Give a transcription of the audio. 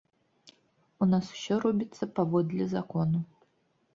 У нас усё робіцца паводле закону.